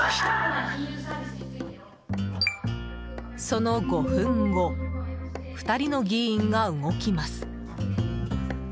その５分後２人の議員が動きます。